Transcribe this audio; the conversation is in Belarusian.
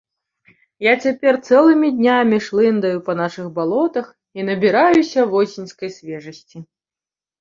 Я цяпер цэлымі днямі шлындаю па нашых балотах і набіраюся восеньскай свежасці.